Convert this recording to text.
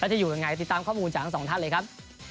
จะอยู่ยังไงติดตามข้อมูลจากทั้งสองท่านเลยครับ